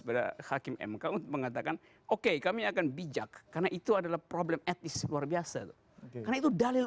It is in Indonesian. pada hakim mk untuk mengatakan oke kami akan bijak karena itu adalah problem etis luar biasa karena itu dalil